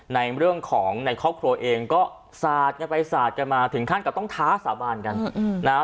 ในเรื่องของในครอบครัวเองก็สาดกันไปสาดกันมาถึงขั้นกับต้องท้าสาบานกันนะฮะ